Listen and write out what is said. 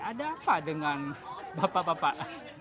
ada apa dengan bapak bapak